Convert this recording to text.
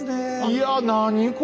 いや何これ！